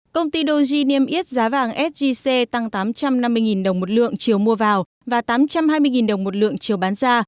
công ty doji niêm yết giá vàng sgc tăng tám trăm năm mươi đồng một lượng chiều mua vào và tám trăm hai mươi đồng một lượng chiều bán ra